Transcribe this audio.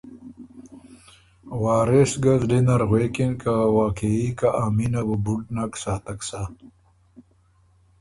وارث ګه زلی نر غوېکِن که واقعي که ا مینه بُو بُډ نک ساتک سَۀ